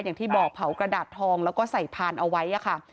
อย่างที่บอกเผากระดาษทองแล้วก็ใส่พานเอาไว้ค่ะ